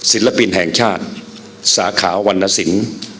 ศิลปินแห่งชาติสาขาวรรณสิน